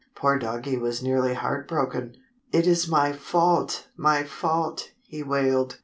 Poor Doggie was nearly heart broken. "It is my fault, my fault," he wailed.